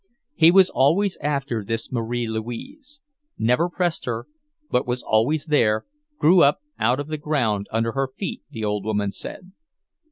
He was always after this Marie Louise; never pressed her, but was always there, grew up out of the ground under her feet, the old woman said.